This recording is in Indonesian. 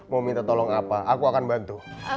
mau minta tolong apa aku akan bantu